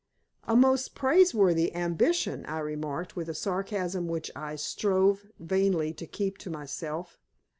"A most praiseworthy ambition," I remarked, with a sarcasm which I strove vainly to keep to myself.